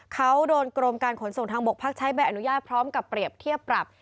เขาโดนกรมการขนส่งทางบกพักใช้ใบอนุญาตพร้อมกับเปรียบเทียบปรับ